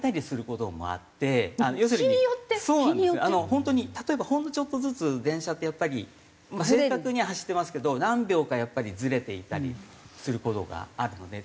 本当に例えばほんのちょっとずつ電車ってやっぱり正確に走ってますけど何秒かやっぱりずれていたりする事があるので。